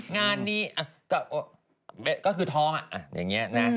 งานนี้ก็คือท้องอย่างนี้นะ